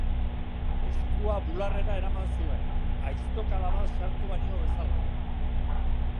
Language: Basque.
Eskua bularrera eraman zuen, aiztokada bat sartu banio bezala.